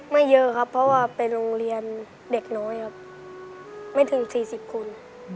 ไม่เยอะครับเพราะว่าไปโรงเรียนเด็กน้อยครับไม่ถึง๔๐คน